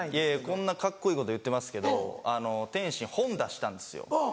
こんなカッコいいこと言ってますけど天心本出したんですよ。